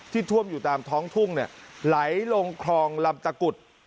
ท่วมอยู่ตามท้องทุ่งไหลลงคลองลำตะกุด